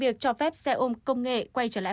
việc cho phép xe ôm công nghệ quay trở lại